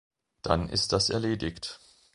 Dann ist das erledigt.